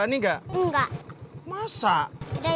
kan kok enggak punya sortan